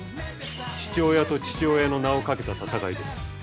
父親と父親の名をかけた戦いです。